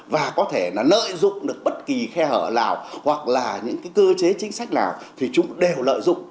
và có thể là lợi dụng được bất kỳ khe hở nào hoặc là những cái cơ chế chính sách nào thì chúng đều lợi dụng